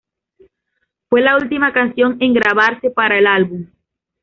Fue la última canción en grabarse para el álbum.